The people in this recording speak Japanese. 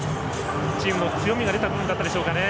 チームの強みが出たプレーだったんでしょうかね。